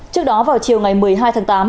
trước đó vào chiều ngày một mươi hai tháng tám